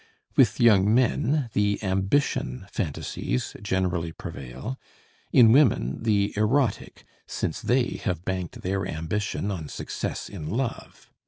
With young men the ambition phantasies generally prevail; in women, the erotic, since they have banked their ambition on success in love.